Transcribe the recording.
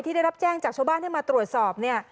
ที่ได้รับแจ้งจากชบ้านมาตรวจสอบ